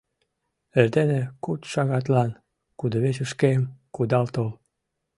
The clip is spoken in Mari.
Эрдене куд шагатлан кудывечышкем кудал тол...